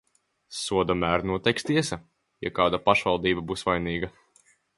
Soda mēru noteiks tiesa, ja kāda pašvaldība būs vainīga.